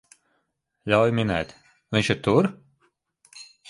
Ļauj minēt, viņš ir tur?